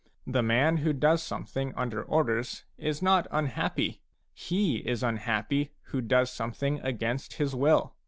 The man who does something under orders is not unhappy ; he is unhappy who does something against his will.